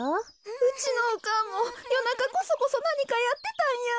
うちのおかんもよなかこそこそなにかやってたんや。